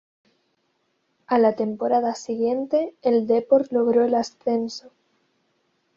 A la temporada siguiente el Depor logró el ascenso.